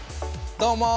どうも。